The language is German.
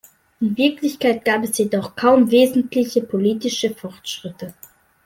In Wirklichkeit gab es jedoch kaum wesentliche politische Fortschritte.